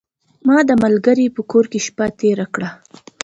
ما د ملګري په کور کې شپه تیره کړه .